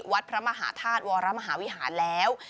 วัดพระมหาธาตุวรมหาวิหารแล้ว